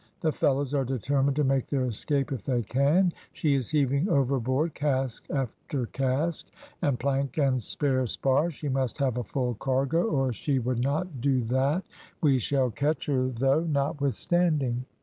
The fellows are determined to make their escape if they can, she is heaving overboard cask after cask, and plank and spare spars she must have a full cargo, or she would not do that we shall catch her though, notwithstanding."